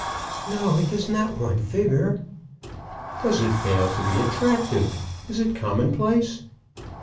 "No; it does not want vigour." "Does it fail to be attractive? Is it commonplace?"